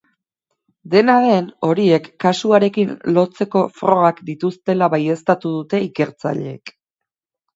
Dena den, horiek kasuarekin lotzeko frogak dituztela baieztatu dute ikertzaileek.